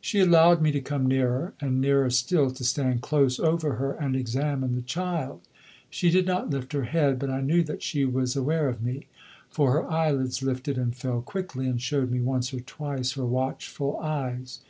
She allowed me to come nearer, and nearer still, to stand close over her and examine the child. She did not lift her head, but I knew that she was aware of me; for her eyelids lifted and fell quickly, and showed me once or twice her watchful eyes.